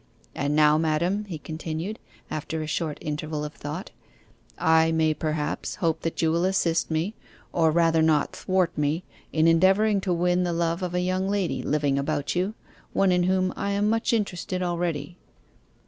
And now, madam,' he continued, after a short interval of thought, 'I may, perhaps, hope that you will assist me, or rather not thwart me, in endeavouring to win the love of a young lady living about you, one in whom I am much interested already.